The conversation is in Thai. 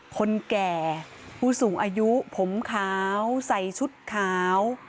คนแก่ผู้สูงอายุผมขาวใส่ชุดขาว